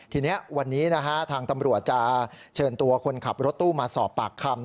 ทีนี้วันนี้นะฮะทางตำรวจจะเชิญตัวคนขับรถตู้มาสอบปากคำ